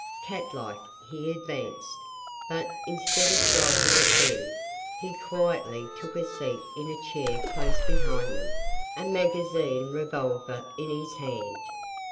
Cat like, he advanced, but instead of striking at them, he quietly took a seat in a chair close behind them, a magazine revolver in his hand.